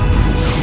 aku akan menang